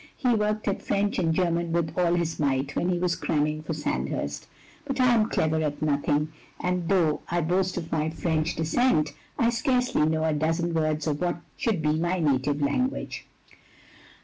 He worked at French and German with all his might when he was cramming for Sandhurst. But I am clever at nothing, and though I boast of my French descent I scarcely know a dozen words of what should be my native language.